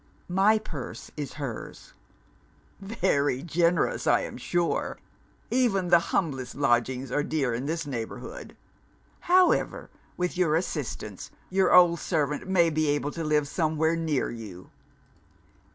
"My purse is hers!" "Very generous, I am sure! Even the humblest lodgings are dear in this neighbourhood. However with your assistance your old servant may be able to live somewhere near you."